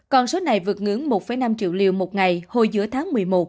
còn số này vượt ngưỡng một năm triệu liều một ngày hồi giữa tháng một mươi một